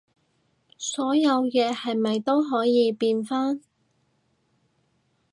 所有嘢係咪都可以變返